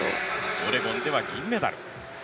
オレゴンでは銀メダル。